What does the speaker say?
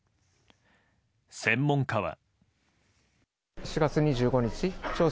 専門家は。